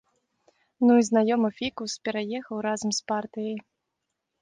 Ну і знаёмы фікус пераехаў разам з партыяй.